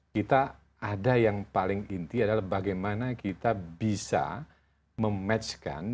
kita ada yang paling inti adalah bagaimana kita bisa mematchkan